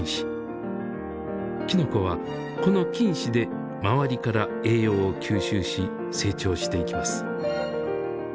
きのこはこの菌糸で周りから栄養を吸収し成長していきます。